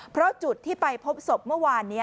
เพราะจุดที่ไปพบศพเมื่อวานนี้